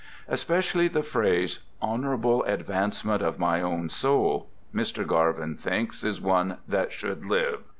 Especially the phrase, " honorable advancement of my own soul," Mr. Garvin thinks is one that should live.